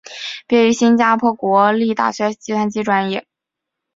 毕业于新加坡国立大学计算机专业。